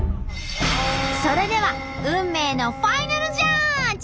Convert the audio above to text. それでは運命のファイナルジャッジ！